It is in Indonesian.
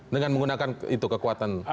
dengan menggunakan itu kekuatan